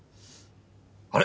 あれ？